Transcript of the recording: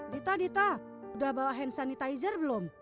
dita dita udah bawa hand sanitizer belum